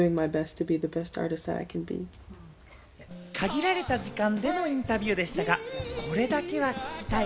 限られた時間でのインタビューでしたが、これだけは聞きたい